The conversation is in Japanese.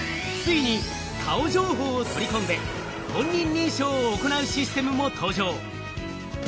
ついに顔情報を取り込んで本人認証を行うシステムも登場。